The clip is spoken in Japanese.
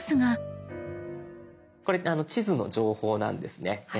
これ地図の情報なんですね。